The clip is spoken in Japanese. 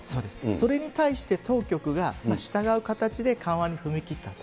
それに対して当局が従う形で緩和に踏み切ったと。